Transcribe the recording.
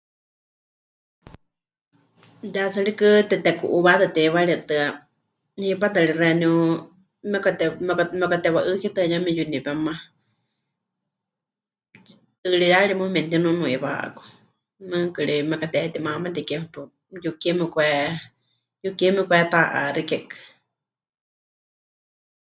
Ya tsɨ rikɨ teteku'uuwátɨ teiwaritɨ́a, hipátɨ ri xeeníu memɨkate... memɨka... memɨkatewa'ɨ́kitɨa yeme yuniwéma, tɨɨriyari mɨɨkɨ memɨtinunuiwá 'aku, mɨɨkɨ ri memɨkatehetimamateke paɨ, yukie memɨkwe... yukie memɨkweta'axikekɨ.